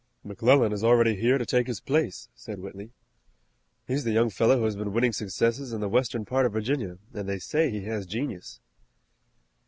"McClellan is already here to take his place," said Whitley. "He's the young fellow who has been winning successes in the western part of Virginia, an' they say he has genius."